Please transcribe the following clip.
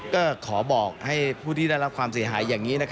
ก็ขอบอกให้ผู้ที่ได้รับความเสียหายอย่างนี้